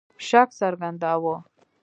شک څرګنداوه.